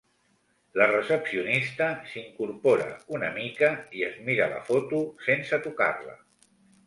La recepcionista s'incorpora una mica i es mira la foto, sense tocar-la.